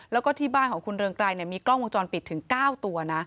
แล้วก็ที่บ้านของคุณเรืองไกรมีกล้องวงจรปิดถึง๙ตัวนะ